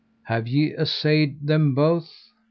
Have ye assayed them both?